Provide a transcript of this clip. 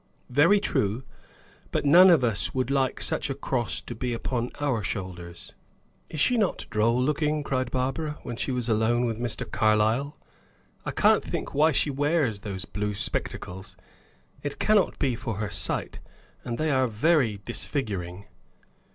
Very true; but none of us would like such a cross to be upon our shoulders. "Is she not droll looking?" cried Barbara, when she was alone with Mr. Carlyle. "I can't think why she wears those blue spectacles; it cannot be for her sight, and they are very disfiguring."